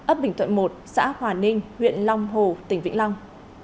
ấp bình thuận một xã hòa ninh huyện long hồ tỉnh vĩnh long